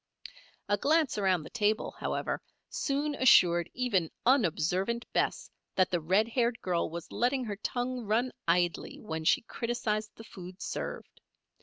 A glance around the table, however, soon assured even unobservant Bess that the red haired girl was letting her tongue run idly when she criticised the food served.